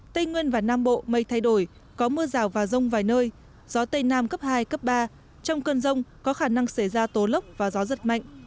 tây nguyên và nam bộ mây thay đổi có mưa rào và rông vài nơi gió tây nam cấp hai cấp ba trong cơn rông có khả năng xảy ra tố lốc và gió giật mạnh